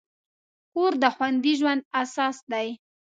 کور د خوندي ژوند اساس دی.